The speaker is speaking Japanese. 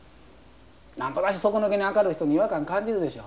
何となし底抜けに明るい人に違和感感じるでしょ。